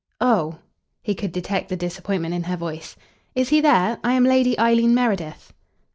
"Oh!" He could detect the disappointment in her voice. "Is he there? I am Lady Eileen Meredith."